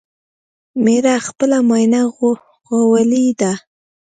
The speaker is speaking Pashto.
مېړه خپله ماينه غوولې ده